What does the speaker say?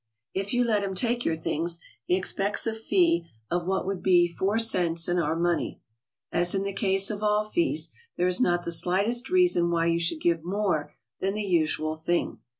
If you let him take your things, he expects a fee of what would be four cents in our money. As in the case of all fees, there is not the slightest reason why you should give more than the usual thing.